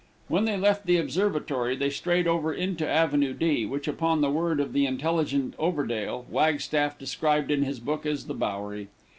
When they left the Observatory they strayed over into Avenue D, which, upon the word of the intelligent Overdale, Wagstaff described in his book as the Bowery.